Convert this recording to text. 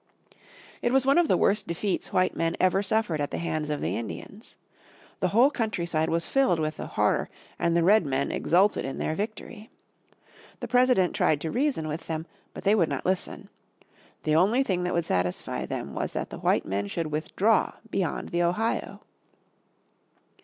It was one of the worst defeats white men ever suffered at the hands of the Indians. The whole countryside was filled with the horror and the Redmen exulted in their victory. The President tried to reason with them, but they would not listen. The only thing that would satisfy them was that the white men should withdraw beyond the Ohio.